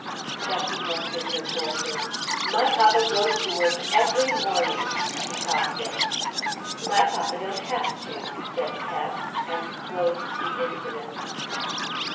Gussie mustered her forces. "My papa goes to work every morning," she topped it. "My papa don't have to," said Pep, and closed the incident.)